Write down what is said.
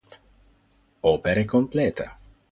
Opere complete